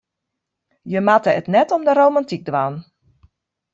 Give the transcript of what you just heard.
Je moatte it net om de romantyk dwaan.